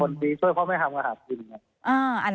เป็นคนดีด้วยเพราะไม่ทำกระหับกิน